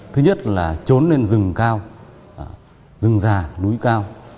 thứ nhất là trốn lên rừng cao rừng rà núi cao